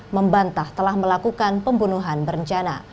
membantah telah melakukan pembunuhan berencana